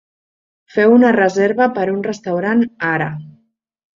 Feu una reserva per a un restaurant ara.